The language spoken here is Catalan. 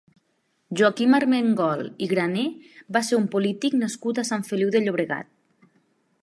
Joaquim Armengol i Grané va ser un polític nascut a Sant Feliu de Llobregat.